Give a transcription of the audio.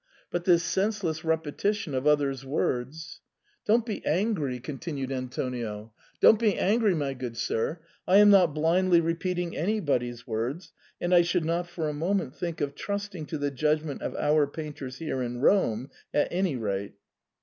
But this senseless repetition of others' words "" Don't be angry," continued Antonio, " don't be angry, my good sir ; I am not blindly repeating any body's words, and I should not for a moment think of trusting to the judgment of our painters here in Rome at any rate.